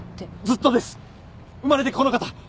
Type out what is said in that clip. ずっとです生まれてこの方。